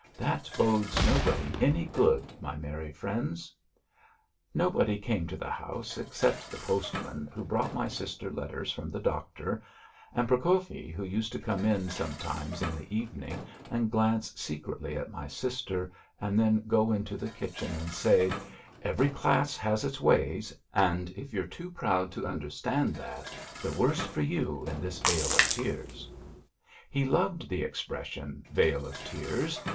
That bodes nobody any good, my merry friends!" Nobody came to the house except the postman who brought my sister letters from the doctor, and Prokofyi, who used to come in sometimes in the evening and glance secretly at my sister, and then go into the kitchen and say: "Every class has its ways, and if you're too proud to understand that, the worse for you in this vale of tears." He loved the expression vale of tears.